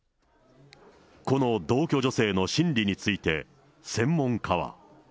この同居女性の心理について、専門家は。